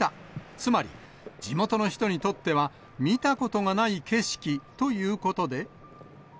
つまり、地元の人にとっては見たことがない景色ということで。